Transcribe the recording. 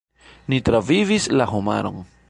"Ni travivis la homaron."